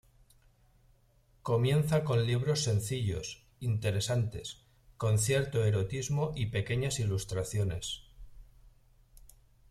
Comienza con libros sencillos, interesantes, con cierto erotismo y pequeñas ilustraciones.